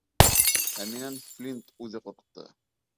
Ә минән Флинт үҙе ҡурҡты.